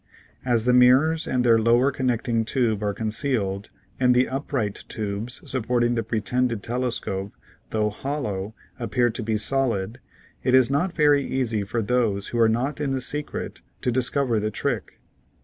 As the mirrors and the lower connecting tube are concealed, and the upright tubes supporting the pre tended telescope, though hollow, appear to be solid, it is not very easy for those who are not in the secret to dis cover the trick.